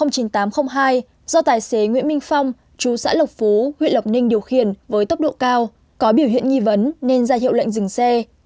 sáu mươi một c chín nghìn tám trăm linh hai do tài xế nguyễn minh phong chú xã lộc phú huê lộc ninh điều khiển với tốc độ cao có biểu hiện nghi vấn nên ra hiệu lệnh dừng xe